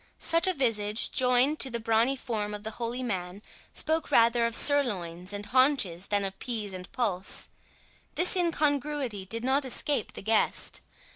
Such a visage, joined to the brawny form of the holy man, spoke rather of sirloins and haunches, than of pease and pulse. This incongruity did not escape the guest.